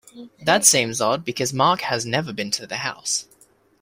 That seems odd because Mark has never been to the house.